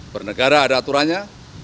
pernegara ada aturannya